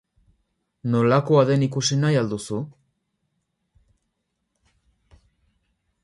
Nolakoa den ikusi nahi al duzu?